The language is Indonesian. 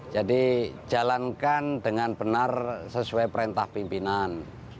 jalankan dengan benar sesuai perintah pimpinan